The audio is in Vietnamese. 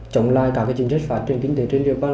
trọng lai cả chính trích phạt truyền kinh tế trên địa bàn